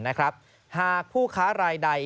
หากผู้ค้ารายใด